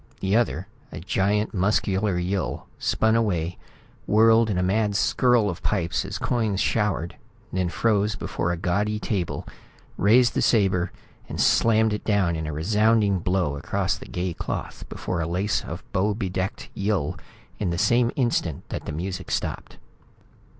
The other, a giant, muscular Yill, spun away, whirled in a mad skirl of pipes as coins showered then froze before a gaudy table, raised the sabre and slammed it down in a resounding blow across the gay cloth before a lace and bow bedecked Yill in the same instant that the music stopped.